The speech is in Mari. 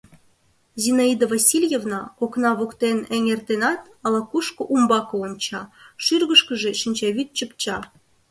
Зинаида Васильевна, окна воктен эҥертенат, ала-кушко умбаке онча, шӱргышкыжӧ шинчавӱд чыпча.